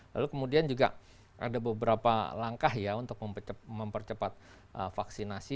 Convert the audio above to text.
lalu kemudian juga ada beberapa langkah ya untuk mempercepat vaksinasi